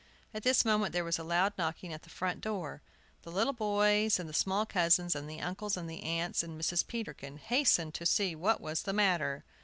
At this moment there was a loud knocking at the front door. The little boys, and the small cousins, and the uncles and aunts, and Mrs. Peterkin, hastened to see what was the matter.